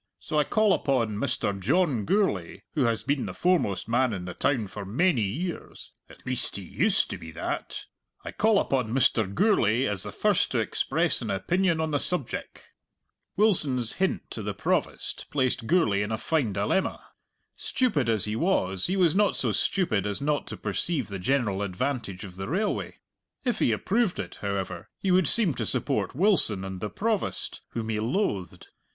So I call upon Mr. John Gourlay, who has been the foremost man in the town for mainy years at least he used to be that I call upon Mr. Gourlay as the first to express an opinion on the subjeck." Wilson's hint to the Provost placed Gourlay in a fine dilemma. Stupid as he was, he was not so stupid as not to perceive the general advantage of the railway. If he approved it, however, he would seem to support Wilson and the Provost, whom he loathed.